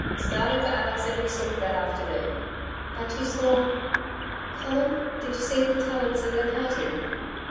'Started for Alexandra City that afternoon.' 'But you saw Colin did you see the Tallants and their party?